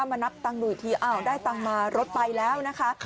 มานับตังค์ดูอีกทีอ้าวได้ตังค์มารถไปแล้วนะคะ